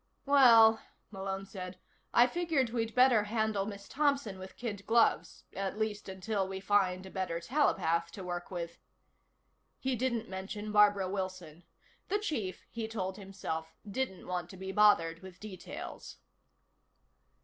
"Well," Malone said, "I figured we'd better handle Miss Thompson with kid gloves at least until we find a better telepath to work with." He didn't mention Barbara Wilson. The chief, he told himself, didn't want to be bothered with details.